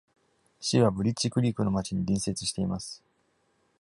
市はブリッジクリークの町に隣接しています。